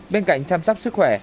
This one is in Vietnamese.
bên cạnh chăm sóc sức khỏe